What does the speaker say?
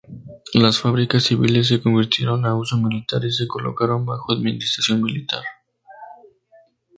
Las fábricas civiles se convirtieron a uso militar y se colocaron bajo administración militar.